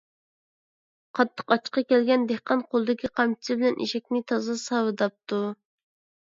قاتتىق ئاچچىقى كەلگەن دېھقان قولىدىكى قامچىسى بىلەن ئېشەكنى تازا ساۋىداپتۇ.